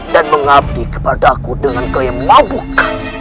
dan mengabdi kepada aku dengan kau yang mabuk